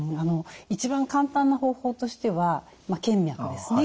一番簡単な方法としては検脈ですね。